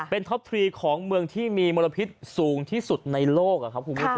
เป็นท็อปทรีของเมืองที่มีมลพิษสูงที่สุดในโลกครับคุณผู้ชม